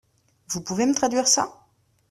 Vous pouvez me traduire ça ?